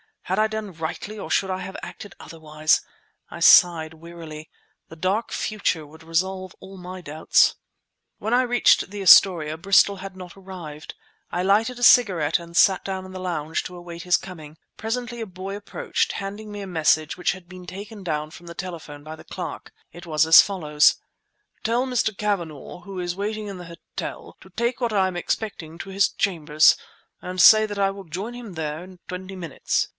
Had I done rightly or should I have acted otherwise? I sighed wearily. The dark future would resolve all my doubts. When I reached the Astoria, Bristol had not arrived. I lighted a cigarette and sat down in the lounge to await his coming. Presently a boy approached, handing me a message which had been taken down from the telephone by the clerk. It was as follows— Tell Mr. Cavanagh, who is waiting in the hotel, to take what I am expecting to his chambers, and say that I will join him there in twenty minutes.